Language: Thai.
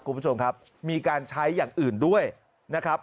คุณผู้ชมครับมีการใช้อย่างอื่นด้วยนะครับ